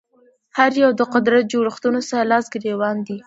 هر یو د قدرت جوړښتونو سره لاس ګرېوان دي